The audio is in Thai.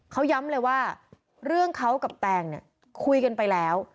เขาย้ำเลยว่าเรื่องเขากับแตงเนี่ยคุยกันไปแล้ว